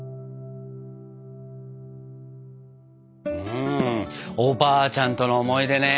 うんおばあちゃんとの思い出ね。